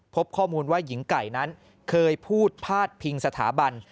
พบข้อมูลว่าหญิงไก่นั้นเคยพูดพาดพิงสถาบัน